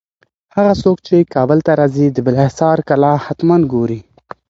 هغه څوک چي کابل ته راځي، د بالاحصار کلا حتماً ګوري.